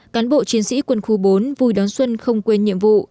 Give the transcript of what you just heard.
cán bộ chiến sĩ quân khu bốn vui đón xuân không quên nhiệm vụ